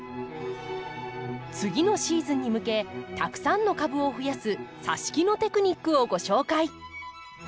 次のシーズンに向けたくさんの株を増やすさし木のテクニックをご紹介。